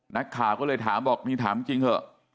นักข่าวก็เลยถามบอกนี่ถามจริงเถอะ